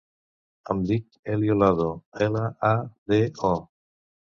Em dic Elio Lado: ela, a, de, o.